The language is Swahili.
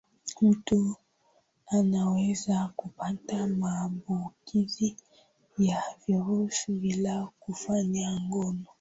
mtu anaweza kupata maambukizi ya virusi bila kufanya ngono